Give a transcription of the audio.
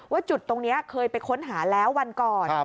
จุดตรงนี้เคยไปค้นหาแล้ววันก่อน